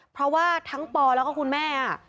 เพราะว่าทั้งปอแล้วก็คุณแม่